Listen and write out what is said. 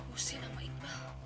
busin sama iqbal